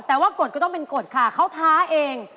แต่ว่ากฎก็ต้องเป็นกฎค่ะเขาท้าเอง